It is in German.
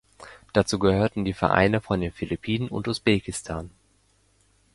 Dazu gehörten die Vereine von den Philippinen und Usbekistan.